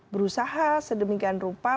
berusaha sedemikian rupa